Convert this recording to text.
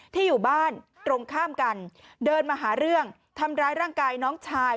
อยู่บ้านตรงข้ามกันเดินมาหาเรื่องทำร้ายร่างกายน้องชาย